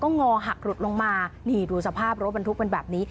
งอหักหลุดลงมานี่ดูสภาพรถบรรทุกเป็นแบบนี้